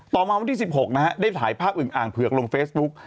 มาวันที่๑๖นะฮะได้ถ่ายภาพอึงอ่างเผือกลงเฟซบุ๊ก